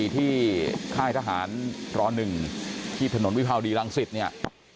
ที่ค่ายทหารร๑ที่ถนนวิภาวดีรังสิตเนี่ย